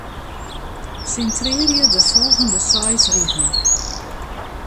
Sintrearje de folgjende seis rigen.